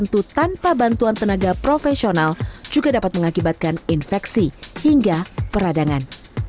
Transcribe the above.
bantuan tanpa bantuan tenaga profesional juga dapat mengakibatkan infeksi hingga peradangan